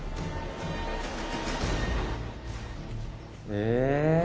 え？